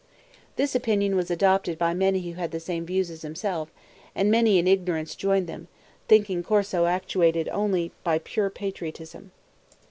This opinion was adopted by many who had the same views as himself; and many in ignorance joined them, thinking Corso actuated only by pure patriotism.